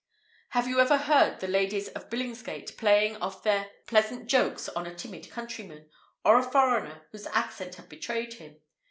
Have you ever heard the ladies of Billingsgate playing off their pleasant jokes on a timid countryman, or a foreigner, whose accent had betrayed him?